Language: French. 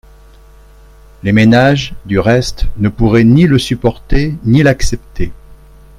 Les ménages, du reste, ne pourraient ni le supporter, ni l’accepter.